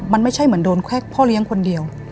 มันไม่ใช่เหมือนโดนแค่พ่อเลี้ยงคนเดียว